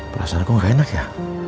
perasaan aku nggak enak ya